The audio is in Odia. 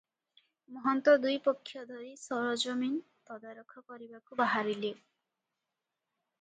ମହନ୍ତ ଦୁଇପକ୍ଷ ଧରି ସରଜମିନ ତଦାରଖ କରିବାକୁ ବାହାରିଲେ ।